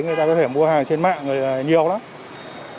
người ta có thể mua hàng trên mạng rồi nhiều lắm